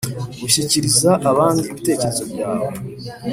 ushyikiriza abandi ibitekerezo byawe